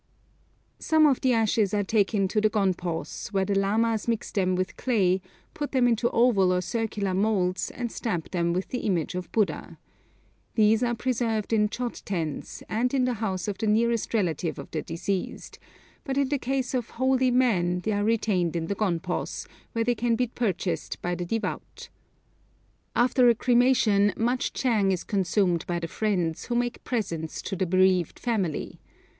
Some of the ashes are taken to the gonpos, where the lamas mix them with clay, put them into oval or circular moulds, and stamp them with the image of Buddha. These are preserved in chod tens, and in the house of the nearest relative of the deceased; but in the case of 'holy' men, they are retained in the gonpos, where they can be purchased by the devout. After a cremation much chang is consumed by the friends, who make presents to the bereaved family.